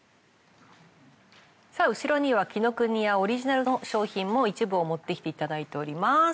さあ後ろには紀ノ国屋オリジナルの商品も一部を持ってきていただいております。